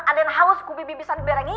kalau kamu haus kamu bisa berangkut